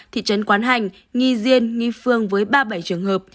thị trấn quán hành nghi diên nghi phương với ba mươi bảy trường hợp